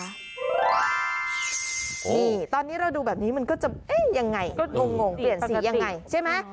นี่ตอนนี้เราดูแบบนี้มันก็จะเอ๊ะยังไงก็งงเปลี่ยนสียังไงใช่ไหม